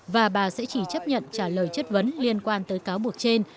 và bà sẽ chỉ chấp nhận trả lời chất vấn liên quan tới cáo buộc trên